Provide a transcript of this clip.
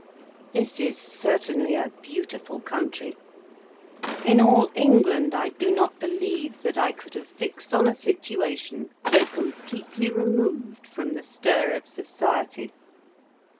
This is certainly a beautiful country! In all England, I do not believe that I could have fixed on a situation so completely removed from the stir of society.